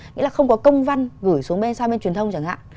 nghĩa là không có công văn gửi sang bên truyền thông chẳng hạn